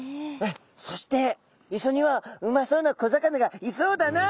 そして磯には「うまそうな小魚がいそうだな。